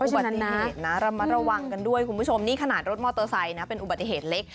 อุบัติเหตุนะระมัดระวังกันด้วยคุณผู้ชมนี่ขนาดรถมอเตอร์ไซค์นะเป็นอุบัติเหตุเล็ก